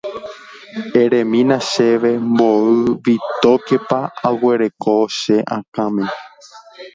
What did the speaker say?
eremína chéve mboy vitókepa aguereko che akãme